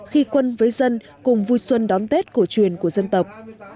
khi quân với dân cùng vui xuân đón tết cổ truyền của dân tộc